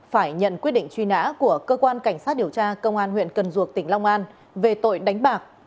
phải nhận quyết định truy nã của cơ quan cảnh sát điều tra công an huyện cần duộc tỉnh long an về tội đánh bạc